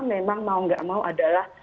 memang mau nggak mau adalah